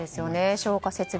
消火設備